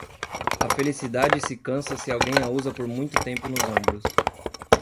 A felicidade se cansa se alguém a usa por muito tempo nos ombros.